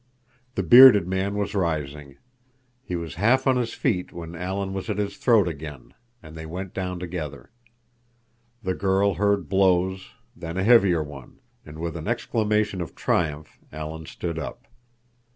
The bearded man was rising. He was half on his feet when Alan was at his throat again, and they went down together. The girl heard blows, then a heavier one, and with an exclamation of triumph Alan stood up.